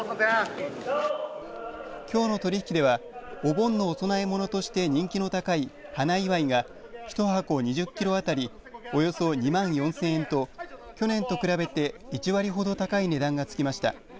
きょうの取り引きではお盆のお供え物として人気の高い花祝が１箱２０キロ当たりおよそ２万４０００円と去年と比べて１割ほど高い値段がつきました。